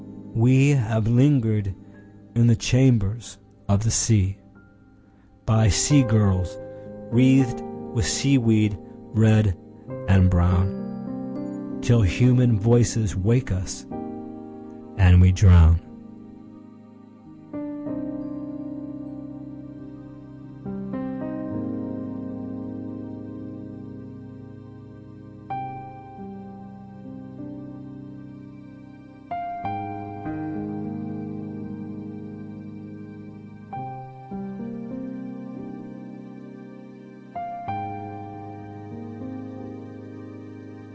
We have lingered in the chambers of the seaBy sea girls wreathed with seaweed red and brownTill human voices wake us, and we drown.